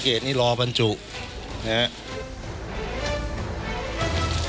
เนี่ยแบบนี้รอบรรจุเนี่ย